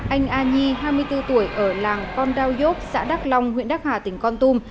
anh a nhi hai mươi bốn tuổi ở làng con đao dốt xã đắc long huyện đắc hà tỉnh con tùm